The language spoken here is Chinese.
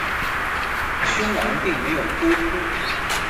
胸篮并没有钩突。